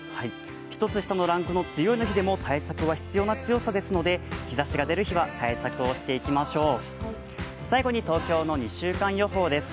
１つ下のランクの梅雨の日でも対策は必要ですので日ざしが出る日は対策をしていきましょう。